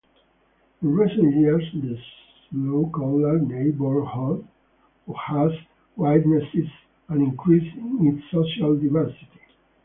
In recent years this blue-collar neighborhood has witnessed an increase in its social diversity.